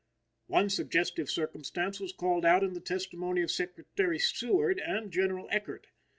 One suggestive circumstance was called out in the testimony of Secretary Seward and General Eckert.